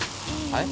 はい？